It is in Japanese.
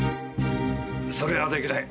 それはできない。